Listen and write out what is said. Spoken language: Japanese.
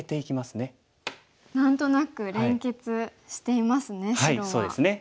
何となく連結していますね